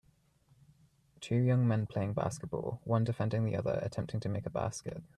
Two young men playing basketball, one defending the other attempting to make a basket.